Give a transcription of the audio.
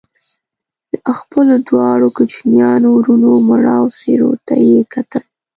د خپلو دواړو کوچنيانو وروڼو مړاوو څېرو ته يې کتل